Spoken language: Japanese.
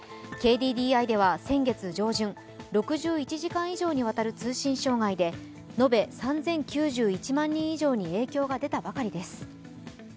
ＫＤＤＩでは先月上旬、６１時間にわたる通信障害で延べ３０９１万人以上に影響が出たばかりです。